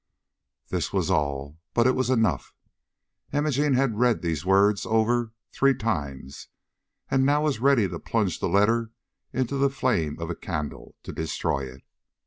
This was all, but it was enough. Imogene had read these words over three times, and now was ready to plunge the letter into the flame of a candle to destroy it.